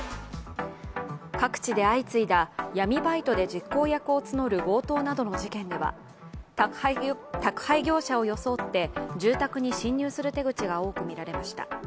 各地で相次いだ闇バイトで実行役を募る強盗などの事件では宅配業者を装って、住宅に侵入する手口が多く見られました。